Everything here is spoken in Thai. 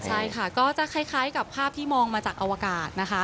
ใช่ค่ะก็จะคล้ายกับภาพที่มองมาจากอวกาศนะคะ